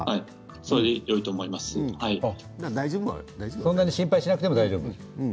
そんなに心配しなくて大丈夫。